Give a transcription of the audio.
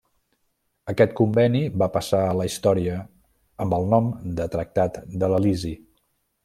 Aquest conveni va passar a la història amb el nom de Tractat de l'Elisi.